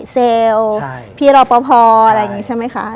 เซลล์พี่รอปภอะไรอย่างนี้ใช่ไหมคะ